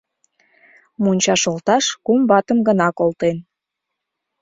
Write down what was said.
Мончаш олташ кум ватым гына колтен.